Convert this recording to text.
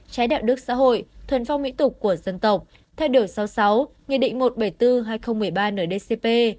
trái đạo đức xã hội thuần phong mỹ tục của dân tộc theo điều sáu mươi sáu nghị định một trăm bảy mươi bốn hai nghìn một mươi ba ndcp